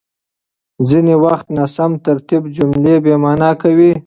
ځينې وخت ناسم ترتيب جمله بېمعنا کوي.